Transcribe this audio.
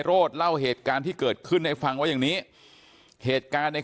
โรธเล่าเหตุการณ์ที่เกิดขึ้นให้ฟังว่าอย่างนี้เหตุการณ์ใน